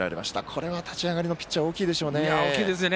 これは立ち上がりのピッチャー大きいでしょうね。